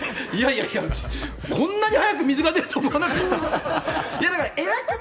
いやいや、こんなに早く水が出るとは思わなかったって。